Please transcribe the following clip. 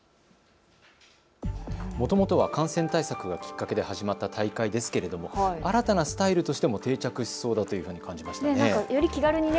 もともとは感染対策がきっかけで始まった大会ですけれども新たなスタイルとして定着しそうですよね。